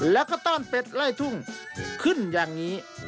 แล้วก็ต้อนเป็ดไล่ทุ่งขึ้นอย่างนี้